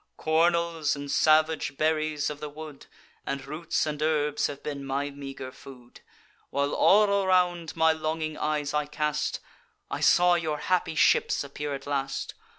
Cornels and salvage berries of the wood, And roots and herbs, have been my meager food. While all around my longing eyes I cast, I saw your happy ships appear at last.